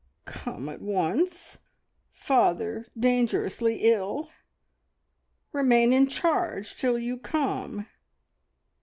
"Come at once. Father dangerously ill. Remain in charge till you come.